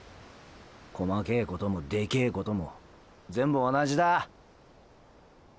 細けぇこともでけぇことも全部同じだ。